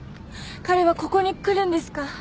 彼はここに来るんですか？